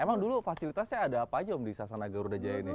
emang dulu fasilitasnya ada apa aja om di sasana garuda jaya ini